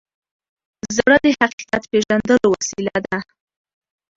زړه د حقیقت پیژندلو وسیله ده.